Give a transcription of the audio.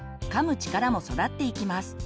力も育っていきます。